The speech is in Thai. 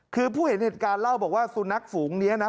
คือผู้เห็นเหตุการณ์เล่าบอกว่าสุนัขฝูงนี้นะ